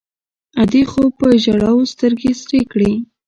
ادې خو په ژړاوو سترګې سرې کړې.